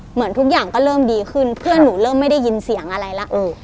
เหมือนทุกอย่างก็เริ่มดีขึ้นเพื่อนหนูเริ่มไม่ได้ยินเสียงอะไรแล้ว